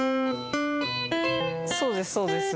そうですそうです。